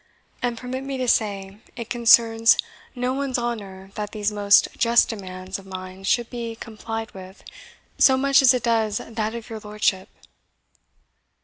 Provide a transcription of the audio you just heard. And permit me to say it concerns no one's honour that these most just demands of mine should be complied with so much as it does that of your lordship."